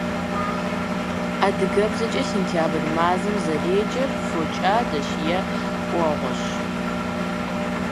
Адыгэбзэкӏэ сентябрь мазэм зэреджэр фокӀадэщ е Ӏуэгъуэщ.